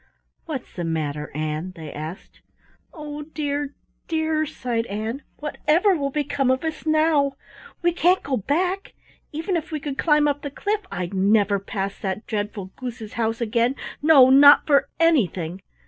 "What's the matter, Ann?" they asked. "Oh, dear, dear!" sighed Ann. "Whatever will become of us now? We can't go back. Even if we could climb up the cliff, I'd never pass that dreadful Goose's house again, no, not for anything!